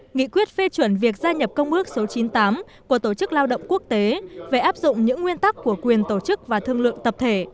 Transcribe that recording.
nghị quyết phê chuẩn việc gia nhập công ước số chín mươi tám của tổ chức lao động quốc tế về áp dụng những nguyên tắc của quyền tổ chức và thương lượng tập thể